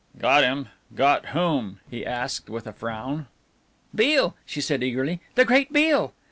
"Got him! Got whom?" he asked, with a frown. "Beale!" she said eagerly, "the great Beale!"